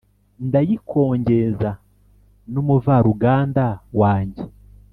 Ndayikongeza n’umuvaruganda wanjye